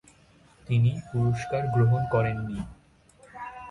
তিনি পুরস্কার গ্রহণ করেন নি।